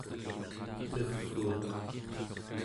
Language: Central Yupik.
neguuq